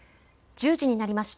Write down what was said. １０時になりました。